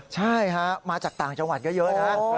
ใช่ฮะมาจากต่างจังหวัดเยอะนะ